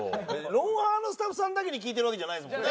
『ロンハー』のスタッフさんだけに聞いてるわけじゃないですもんね？